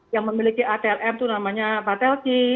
yang memiliki atlm itu namanya patelci